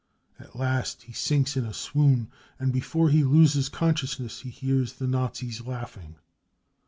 At last he sinks in a swoon, and before he loses consciousness he hears the Nazis laughing.